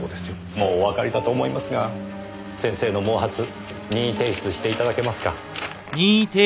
もうおわかりかと思いますが先生の毛髪任意提出していただけますか。